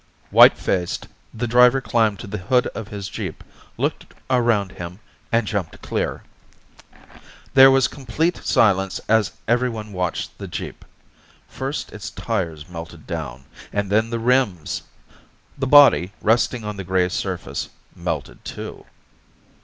White faced, the driver climbed to the hood of his jeep, looked around him, and jumped clear. There was complete silence as everyone watched the jeep. First its tires melted down, and then the rims. The body, resting on the gray surface, melted, too.